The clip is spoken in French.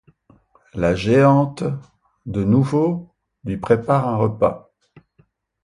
La géante, de nouveau, lui prépare un repas...